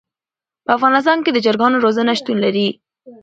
په افغانستان کې د چرګانو روزنه شتون لري.